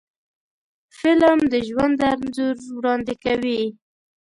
فلم د ژوند انځور وړاندې کوي